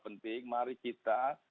penting mari kita